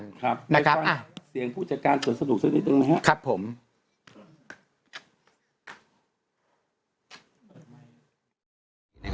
เสียงผู้จัดการสวนสะดวกสุดนิยตึงนะครับ